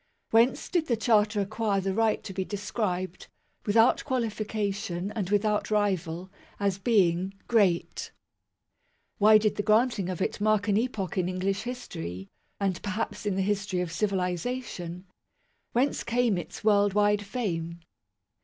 Whence did the Charter acquire the right to be described, without qualification, and without rival, as being " Great "? Why did the granting of it mark an epoch in English history, and perhaps in the history of civilization ? Whence came its world wide fame